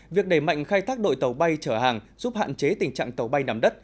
việc đẩy mạnh khai thác đội tàu bay chở hàng giúp hạn chế tình trạng tàu bay nằm đất